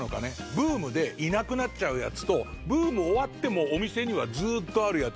ブームでいなくなっちゃうやつとブーム終わってもお店にはずーっとあるやつ。